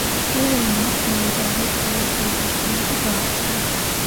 პირველმა არხმა ინტერვიუს ბოლო სერიის ჩვენება გააუქმა.